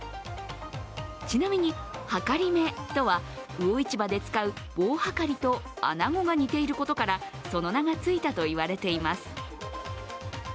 ちなみに、はかりめとは魚市場で使う棒はかりとあなごが似ていることからその名が付いたといわれています。